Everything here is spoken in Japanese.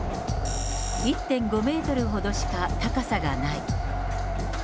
１．５メートルほどしか高さがない。